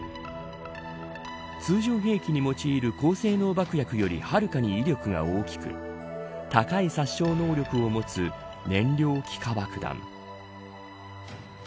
通常兵器に用いる高性能爆薬よりはるかに威力が大きく高い殺傷能力を持つ燃料気化爆弾。